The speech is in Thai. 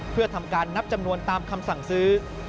เพื่อทำการนับจำนวนตามคำสั่งซื้อ